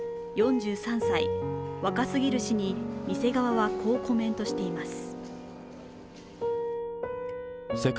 ４３歳、若すぎる死に店側はこうコメントしています。